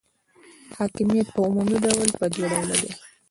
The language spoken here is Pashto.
حاکمیت په عمومي ډول په دوه ډوله دی.